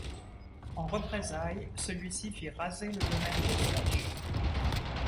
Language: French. En représailles, celui-ci fit raser le domaine d'Eustache.